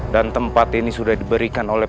dan tempat ini sudah diberikan oleh